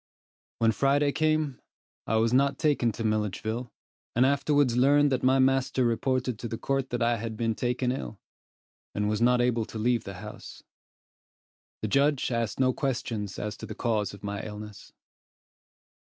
When Friday came, I was not taken to Milledgeville, and afterwards learned that my master reported to the court that I had been taken ill, and was not able to leave the house. The judge asked no questions as to the cause of my illness.